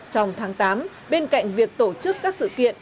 trong tháng tám bên cạnh việc tổ chức các sự kiện